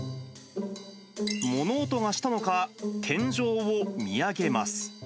物音がしたのか、天井を見上げます。